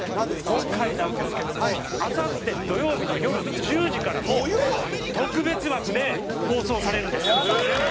今回なんですけどもあさって土曜日のよる１０時からも特別枠で放送されるんです。